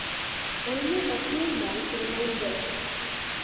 Only a few monks remained there.